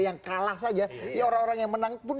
yang kalah saja ya orang orang yang menang pun